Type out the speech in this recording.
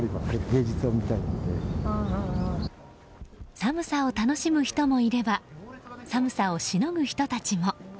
寒さを楽しむ人もいれば寒さをしのぐ人たちも。